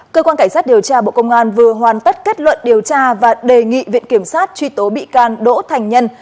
cơ quan cảnh sát điều tra bộ công an vừa hoàn tất kết luận điều tra và đề nghị viện kiểm sát truy tố bị can đỗ thành nhân